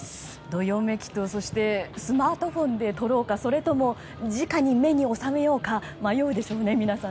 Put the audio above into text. どよめきとスマートフォンで撮ろうかそれとも直に目に収めようか迷うでしょうね、皆さん。